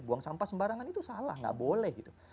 buang sampah sembarangan itu salah nggak boleh gitu